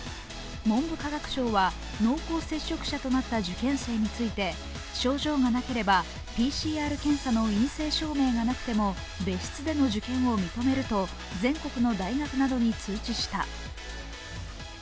文部科学省は濃厚接触者となった受験生について症状がなければ、ＰＣＲ検査の陰性証明がなくても別室での受験を認めると全国の大学などに通知した。